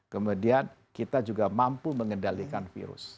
kemudian kita juga mampu mengendalikan virus